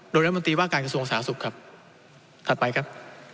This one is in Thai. โดยรัฐมนตรีว่าการกระทรวงสาธารณสุขครับถัดไปครับ